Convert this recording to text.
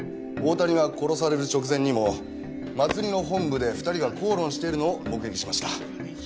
大谷が殺される直前にも祭りの本部で２人が口論しているのを目撃しました。